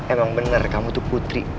emang bener kamu tuh putri